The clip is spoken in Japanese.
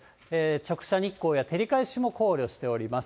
直射日光や照り返しも考慮しております。